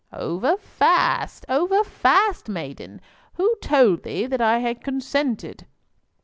"Over fast, over fast, maiden. Who told thee that I had consented?"